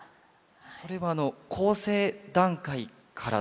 それは構成段階からという？